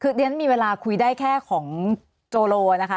คือเรียนมีเวลาคุยได้แค่ของโจโลนะคะ